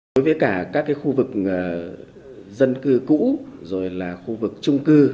đối với cả các khu vực dân cư cũ rồi là khu vực trung cư